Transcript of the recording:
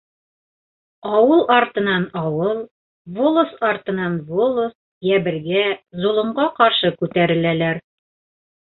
Ауыл артынан ауыл, волость артынан волость йәбергә, золомға ҡаршы күтәреләләр.